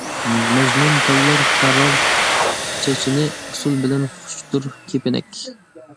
مەجنۇنتاللار تارار چېچىنى، ئۇسۇل بىلەن خۇشتۇر كېپىنەك.